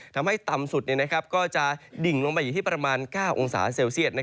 ทำให้ต่ำสุดก็จะดิ่งลงไปอยู่ที่ประมาณ๙องศาเซลเซียต